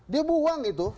dia buang itu